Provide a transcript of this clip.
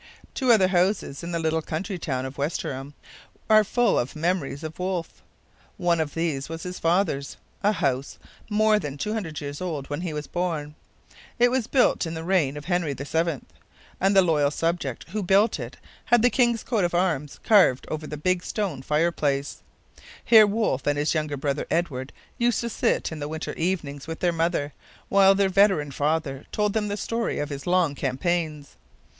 Two other houses in the little country town of Westerham are full of memories of Wolfe. One of these was his father's, a house more than two hundred years old when he was born. It was built in the reign of Henry VII, and the loyal subject who built it had the king's coat of arms carved over the big stone fireplace. Here Wolfe and his younger brother Edward used to sit in the winter evenings with their mother, while their veteran father told them the story of his long campaigns.